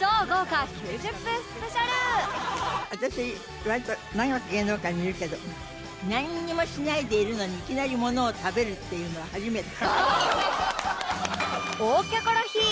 私割と長く芸能界にいるけどなんにもしないでいるのにいきなりものを食べるっていうのは初めて。